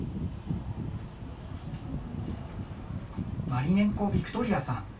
マリネンコ・ヴィクトリアさん。